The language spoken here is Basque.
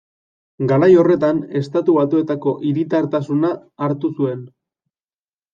Garai horretan, Estatu Batuetako hiritartasuna hartu zuen.